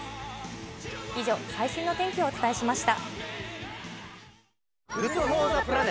以上、最新の天気をお伝えしました。